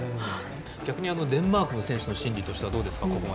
逆にデンマークの心理としてはどうですか。